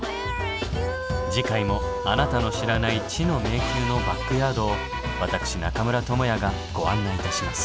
次回もあなたの知らない知の迷宮のバックヤードを私中村倫也がご案内いたします。